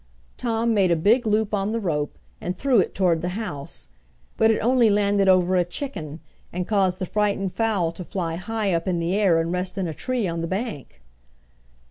Tom made a big loop on the rope and threw it toward the house. But it only landed over a chicken, and caused the frightened fowl to fly high up in the air and rest in a tree on the bank.